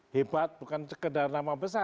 hebat bukan sekedar nama besar